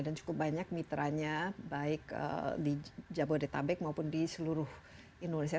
dan cukup banyak mitranya baik di jabodetabek maupun di seluruh indonesia